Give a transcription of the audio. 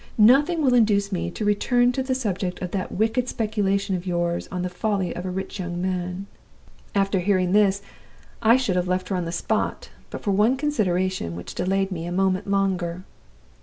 'Nothing will induce me to return to the subject of that wicked speculation of yours on the folly of a rich young man.' "After hearing this, I should have left her on the spot, but for one consideration which delayed me a moment longer.